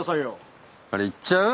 あれ行っちゃう？